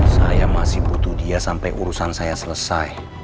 saya masih butuh dia sampai urusan saya selesai